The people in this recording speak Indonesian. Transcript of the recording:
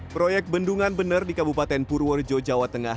proyek bendungan bener di kabupaten purworejo jawa tengah